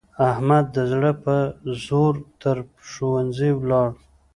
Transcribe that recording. احمد د زړه په زور تر ښوونځي ولاړ.